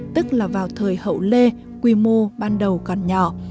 tức là vào thời hậu lê quy mô ban đầu còn nhỏ